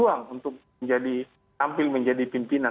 ruang untuk menjadi tampil menjadi pimpinan